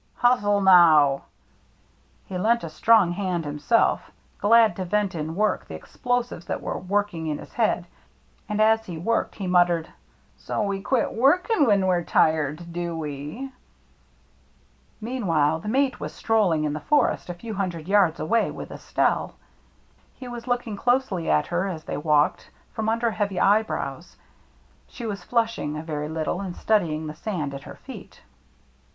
Hustle, now !" He lent a strong hand himself, glad to vent in work the explosives that were working in his head ; and as he worked he muttered, "So we quit workin' when we're tired, do we ?" Meanwhile the mate was strolling in the forest a few hundred yards away with Estelle. He was looking closely at her, as they walked, from under heavy eyebrows. She was flushing a very little and studying the sand at her feet.